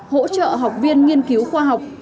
hỗ trợ học viên nghiên cứu khoa học